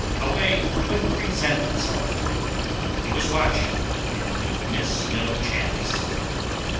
A way would present itself. He was watching, and would miss no chance.